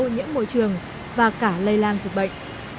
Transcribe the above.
những ngày vệ sinh